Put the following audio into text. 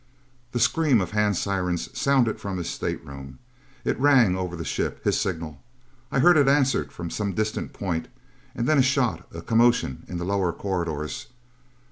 The scream of hand sirens sounded from his stateroom. It rang over the ship. His signal! I heard it answered from some distant point. And then a shot: a commotion in the lower corridors....